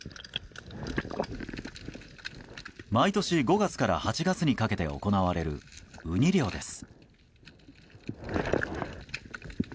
毎年５月から８月にかけて行われるウニ漁です。